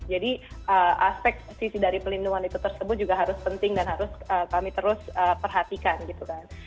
jadi aspek sisi dari pelindungan itu tersebut juga harus penting dan harus kami terus perhatikan gitu kan